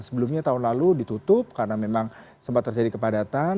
sebelumnya tahun lalu ditutup karena memang sempat terjadi kepadatan